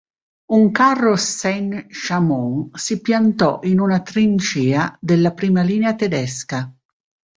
Un carro Saint-Chamond si piantò in una trincea della prima linea tedesca.